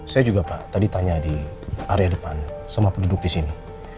saya juga pak tadi tanya di area depan sama penduduk di sini